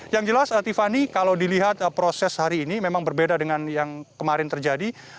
yang jelas tiffany kalau dilihat proses hari ini memang berbeda dengan yang kemarin terjadi